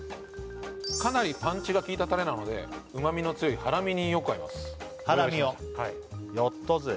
かなりパンチが効いたタレなので旨みの強いハラミによく合いますハラミをやったぜ！